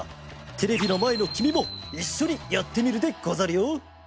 テレビのまえのきみもいっしょにやってみるでござるよ。